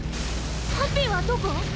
ハッピーはどこ？